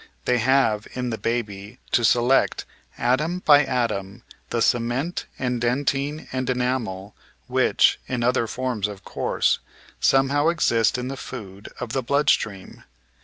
They have, in the baby, to select, atom by atom, the cement and dentine and enamel which (in other forms, of course) somehow exist in the food of the blood stream.